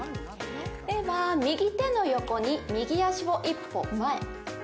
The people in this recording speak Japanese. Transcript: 右手の横に右足を一歩前。